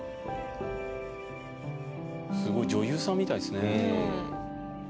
すごい女優さんみたいですね。